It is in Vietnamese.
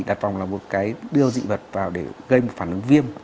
đặt vòng là một cái đưa dị vật vào để gây một phản ứng viêm